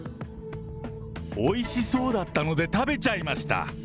おいしそうだったので食べちゃいました。